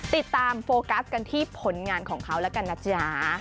โฟกัสกันที่ผลงานของเขาแล้วกันนะจ๊ะ